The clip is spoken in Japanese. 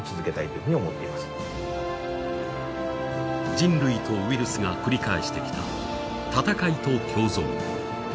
人類とウイルスが繰り返してきた戦いと共存。